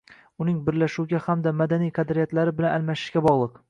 Uning birlashuvga hamda madaniy qadriyatlari bilan almashishga bog’liq.